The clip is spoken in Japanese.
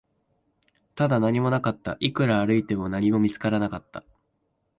ただ、何もなかった、いくら歩いても、何も見つからなかった